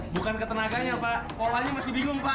bukan ketenaganya pak polanya masih bingung pak